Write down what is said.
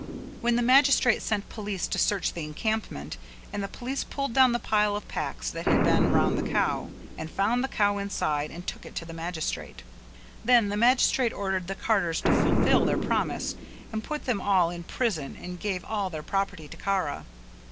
Then the magistrate sent police to search the encampment and the police pulled down the pile of packs that had been put round the cow, and found the cow inside and took it to the magistrate. Then the magistrate ordered the carters to fulfil their promise and put them all in prison and gave all their property to Kara.